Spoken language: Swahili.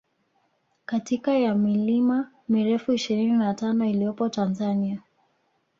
katika ya milima mirefu ishirini na tano iliyopo Tanzania